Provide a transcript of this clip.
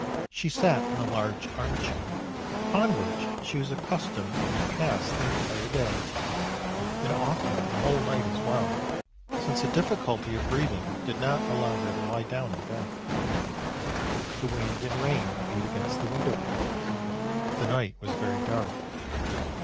She sat in the large arm chair, upon which she was accustomed to pass the entire day, and often the whole night as well, since a difficulty of breathing did not allow her to lie down in bed. The wind and rain beat against the window panes: the night was very dark.